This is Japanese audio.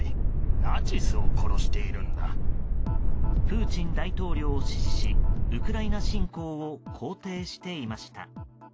プーチン大統領を支持しウクライナ侵攻を肯定していました。